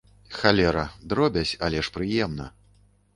Халера, дробязь, але ж прыемна!